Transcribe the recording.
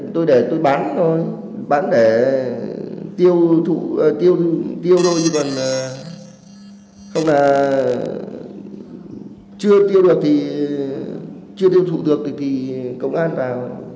tôi để tôi bán thôi bán để tiêu thụ tiêu thôi nhưng còn không là chưa tiêu được thì chưa tiêu thụ được thì công an vào